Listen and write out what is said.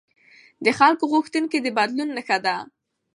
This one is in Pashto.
د خلکو غوښتنې د بدلون نښه ده